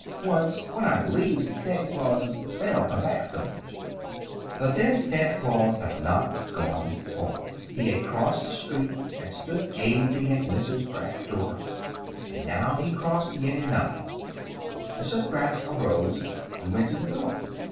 Once, when I believes in Santy Clauses, they don't come back so much." The thin Santa Claus had not gone far. He had crossed the street and stood gazing at Mrs. Gratz's door, and now he crossed again and knocked. Mrs. Gratz arose and went to the door.